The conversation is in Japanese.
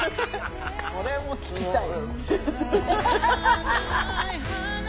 それも聞きたい。